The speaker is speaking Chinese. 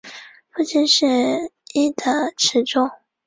父亲是伊达持宗。